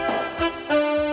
ari tambah besar saja